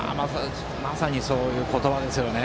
まさにそういうことですよね。